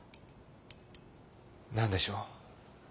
何でしょう？